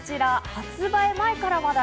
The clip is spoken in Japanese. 発売前から話題。